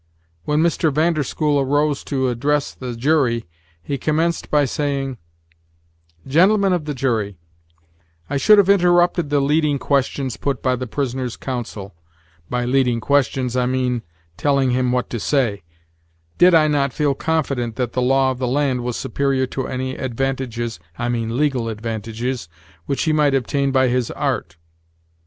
When Mr. Van der School arose to address the jury, he commenced by saying: "Gentlemen of the jury, I should have interrupted the leading questions put by the prisoner's counsel (by leading questions I mean telling him what to say), did I not feel confident that the law of the land was superior to any advantages (I mean legal advantages) which he might obtain by his art.